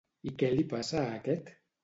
I què li passa a aquest?